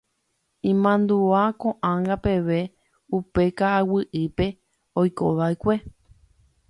Imandu'a ko'ág̃a peve upe ka'aguy'ípe oikova'ekue.